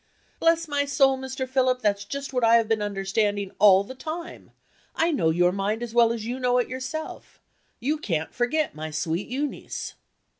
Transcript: "Bless my soul, Mr. Philip, that's just what I have been understanding all the time! I know your mind as well as you know it yourself. You can't forget my sweet Euneece."